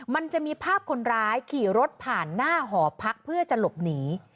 มันจะมีภาพคนร้ายขี่รถผ่านหน้าหอพักเพื่อจะหลบหนี